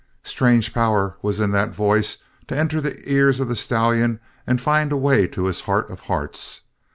Strange power was in that voice to enter the ears of the stallion and find a way to his heart of hearts.